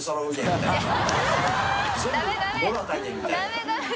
ダメダメ。